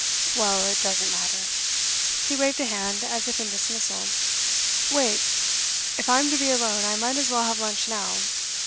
'Well, it doesn't matter.' He waved a hand, as if in dismissal. 'Wait if I'm to be alone, I might as well have lunch now.